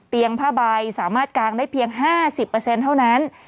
ผ้าใบสามารถกางได้เพียง๕๐เท่านั้น